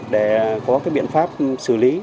để có biện pháp xử lý